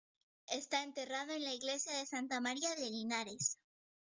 Está enterrado en la iglesia de Santa María de Linares.